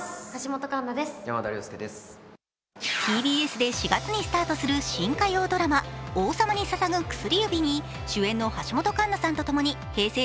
ＴＢＳで４月にスタートする新火曜ドラマ「王様に捧ぐ薬指」に主演の橋本環奈さんとともにＨｅｙ！